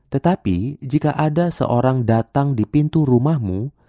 tetapi jika ada seorang datang di pintu rumahmu